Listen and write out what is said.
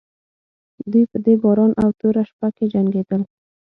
دوی په دې باران او توره شپه کې جنګېدل.